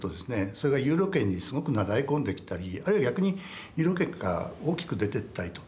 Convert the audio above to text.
それがユーロ圏にすごくなだれ込んできたりあるいは逆にユーロ圏から大きく出てったりと。